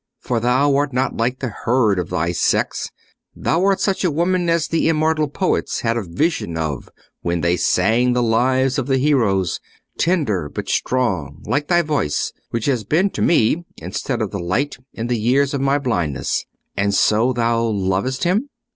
For thou art not like the herd of thy sex: thou art such a woman as the immortal poets had a vision of when they sang the lives of the heroes—tender but strong, like thy voice, which has been to me instead of the light in the years of my blindness... And so thou lovest him?"